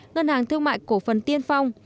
ngân hàng thương mại cổ phần tiên phong